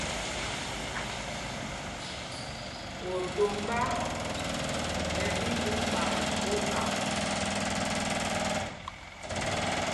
Otombá ɓɛ tí ɓu kpay okaŋ.